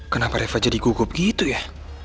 kenapa reva jadi gugup gitu ya